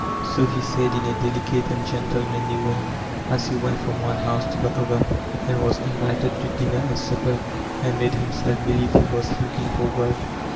So he said in a delicate and gentlemanly way, as he went from one house to the other, and was invited to dinner and supper and made himself believe he was lookii^ for work.